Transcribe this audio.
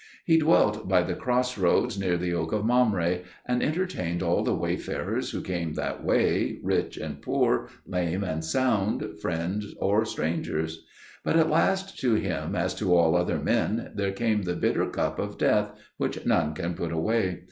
He dwelt by the cross roads near the oak of Mamre, and entertained all the wayfarers who came that way, rich and poor, lame and sound, friends or strangers. But at last to him, as to all other men, there came the bitter cup of death, which none can put away.